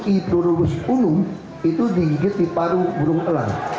itu digigit di paru burung elang